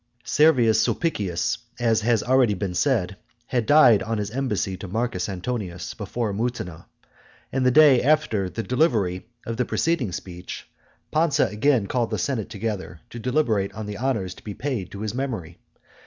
Servius Sulpicius, as has been already said, had died on his embassy to Marcus Antonius, before Mutina; and the day after the delivery of the preceding speech, Pansa again called the senate together to deliberate on the honours to be paid to his memory.